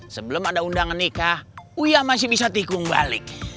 sebelum ada undangan nikah wiyah masih bisa tikung balik